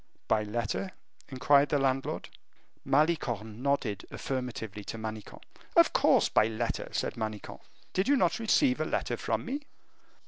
"By letter?" inquired the landlord. Malicorne nodded affirmatively to Manicamp. "Of course by letter," said Manicamp. "Did you not receive a letter from me?"